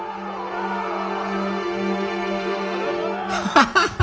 ハハハハ！